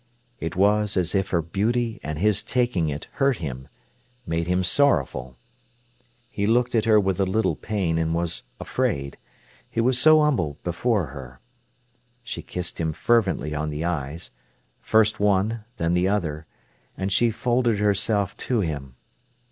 It was as if her beauty and his taking it hurt him, made him sorrowful. He looked at her with a little pain, and was afraid. He was so humble before her. She kissed him fervently on the eyes, first one, then the other, and she folded herself to him.